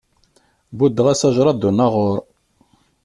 Buddeɣ-as ajṛad d unaɣur.